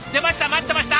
待ってました。